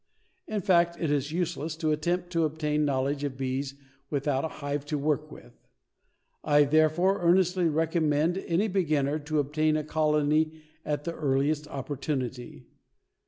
In fact it is useless to attempt to obtain a knowledge of bees without a hive to work with. I, therefore, earnestly recommend any beginner to obtain a colony at the earliest opportunity.